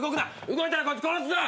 動いたらこいつ殺すぞ！